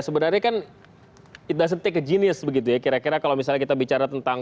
sebenarnya kan itu setiap jenis begitu ya kira kira kalau misalnya kita bicara tentang